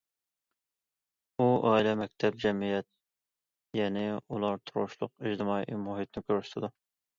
ئۇ ئائىلە، مەكتەپ، جەمئىيەت يەنى، ئۇلار تۇرۇشلۇق ئىجتىمائىي مۇھىتنى كۆرسىتىدۇ.